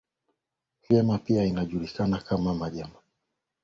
vyema Pia inajulikana kama majambazi ya maji